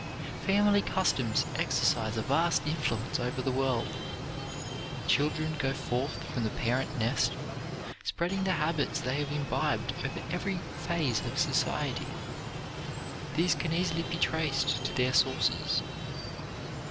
"Family customs exercise a vast influence over the world. Children go forth from the parent nest, spreading the habits they have imbibed over every phase of society. These can easily be traced to their sources."